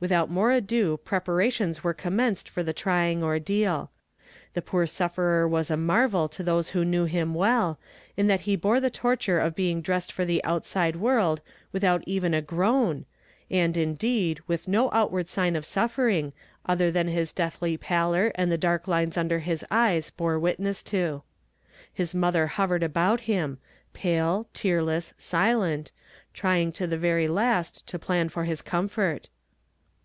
Without more ado preparations were com menced for the trying ordeal. Tlie poor sufferer was a marvel to those who knew him well, in that he bore the torture of being dressed for the out side world without even a groan, and, indeed, with no outward sign of suffering, other than his deathly pallor and the dark lines under his eyes bore witness to. His mother hovered about him, pale, tearless, silent, trying to the veiy last to plan for his comfort.